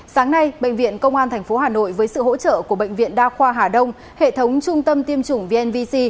sáng nay bệnh viện công an tp hà nội với sự hỗ trợ của bệnh viện đa khoa hà đông hệ thống trung tâm tiêm chủng vnvc